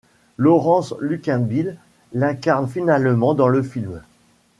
Laurence Luckinbill l'incarne finalement dans le film.